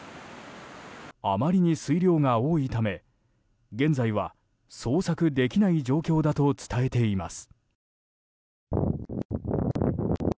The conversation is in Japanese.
あまりに水量が多いため現在は捜索できない状況だと伝えています。